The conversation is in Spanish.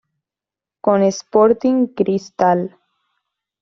Con Sporting Cristal.